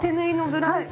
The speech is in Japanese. ブラウス。